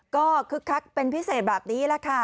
ก็คึกคักเป็นพิเศษแบบนี้แหละค่ะ